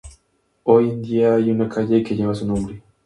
Hoy en día hay una calle que lleva su nombre.